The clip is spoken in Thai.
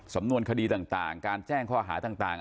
สำนวนคดีต่างการแจ้งข้อหาต่าง